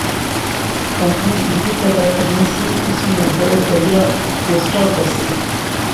کمپنی بجلی پیدا کرنی سی، اس نے ابا ہور بڑیا پوسٹا اپر سے